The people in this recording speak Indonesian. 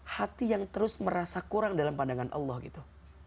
hati yang terus merasa kurang dalam pandangan allah gitu